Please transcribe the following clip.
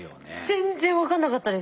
全然分かんなかったです。